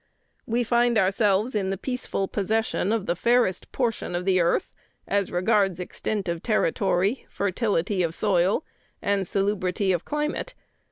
We find ourselves in the peaceful possession of the fairest portion of the earth, as regards extent of territory, fertility of soil, and salubrity of climate.